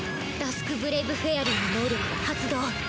ダスク・ブレイブフェアリーの能力が発動。